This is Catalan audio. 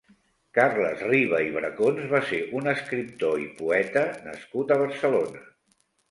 Carles Riba i Bracons va ser un escriptor i poeta nascut a Barcelona.